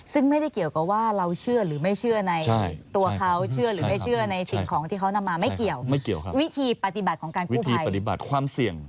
ซึ่งไม่ได้เกี่ยวกับว่าเราเชื่อหรือไม่เชื่อในตัวเขามั้ยใช่ข้องที่เขานำมาไม่เกี่ยวความเสี่ยงวิธีปฏิบัติของการคู่พัย